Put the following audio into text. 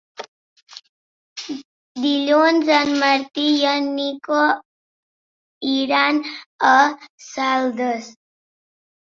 Dilluns en Martí i en Nico iran a Saldes.